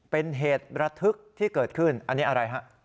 เป็นเหตุระทึกที่เกิดขึ้นอันนี้อะไรฮะ